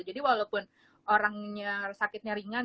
jadi walaupun orangnya sakitnya ringan